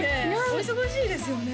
お忙しいですよね？